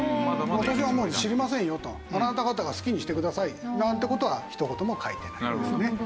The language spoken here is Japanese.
私はもう知りませんよとあなた方が好きにしてくださいなんて事はひと言も書いてないんですね。